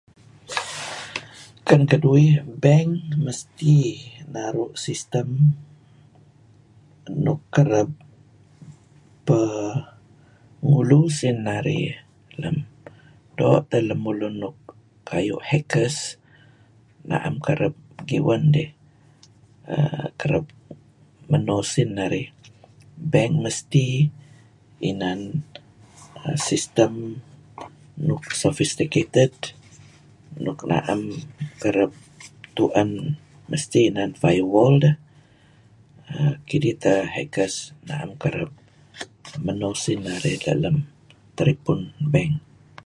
Ken keduih bank mesti naru' system nuk kereb peh ngulu usin narih lem doo' teh lemulun nuk kayu' hackers na'em kereb giwen dih err kereb meno esin narih . Bank mesti inan system nuk sophisticated nuk na'em kereb tu'en, mesti inan firewall deh err kidih teh hackers na'em kereb meno usin narih let lem teripun bank.